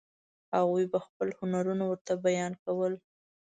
هغوی به خپل هنرونه ورته بیان کول.